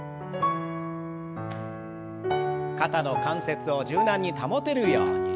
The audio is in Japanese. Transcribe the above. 肩の関節を柔軟に保てるように。